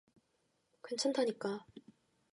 괜찮다니까.